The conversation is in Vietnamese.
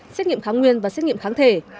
xét nghiệm kháng nguyên và xét nghiệm kháng thể